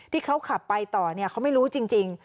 ที่เขาขับไปต่อเขาไม่รู้จริง